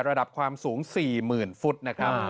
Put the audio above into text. ระดับความสูง๔๐๐๐ฟุตนะครับ